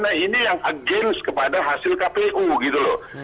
nah ini yang against kepada hasil kpu gitu loh